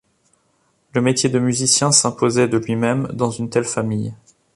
Le métier de musicien s'imposait de lui-même dans une telle famille.